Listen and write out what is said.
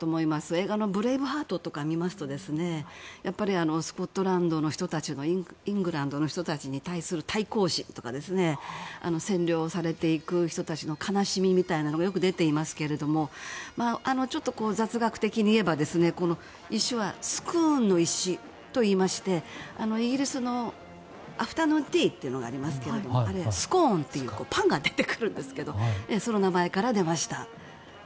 映画の「ブレイブ・ハート」とか見ますとスコットランドの人たちはイングランドの人たちに対する対抗心とか占領されていく人たちの悲しみみたいなのがよく出ていますけれども雑学的に言えば石はスコーンの石といいましてイギリスのアフタヌーンティーというのがありますけどスコーンっていうパンが出てくるんですけどその名前から出ました。